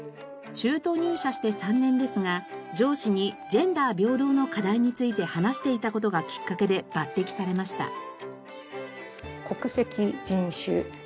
中途入社して３年ですが上司にジェンダー平等の課題について話していた事がきっかけで抜擢されました。